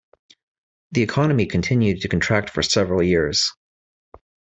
The economy continued to contract for several years.